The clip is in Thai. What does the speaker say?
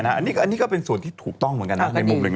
อันนี้ก็เป็นส่วนที่ถูกต้องเหมือนกันนะในมุมหนึ่ง